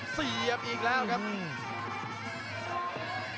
เสียบอีกแล้วครับ